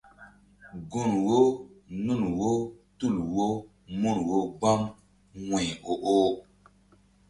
Gun wo nun wo tul wo mun wo gbam wu̧y o oh.